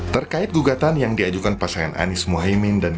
terkait gugatan yang diajukan pasangan anies mohaimin dan